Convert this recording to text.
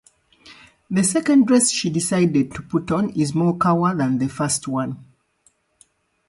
It has implemented various measures to reduce emissions and improve energy efficiency.